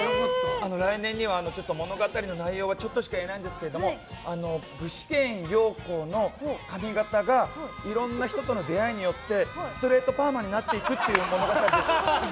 来年には、物語の内容はちょっとしか言えないんですけど具志堅用高の髪形がいろんな人との出会いによってストレートパーマになっていくという物語です。